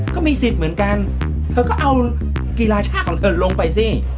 ก็มีสิทธิ์เหมือนกันเธอก็เอากีฬาชาติของเธอลงไปสิ